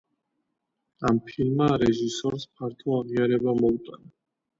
ამ ფილმებმა რეჟისორს ფართო აღიარება მოუტანა.